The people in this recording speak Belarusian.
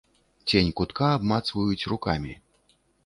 Цень кутка абмацваюць рукамі.